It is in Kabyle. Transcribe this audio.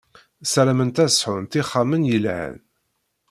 Sarament ad sɛunt ixxamen yelhan.